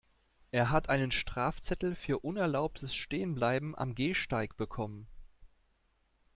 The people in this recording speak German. Er hat einen Strafzettel für unerlaubtes Stehenbleiben am Gehsteig bekommen.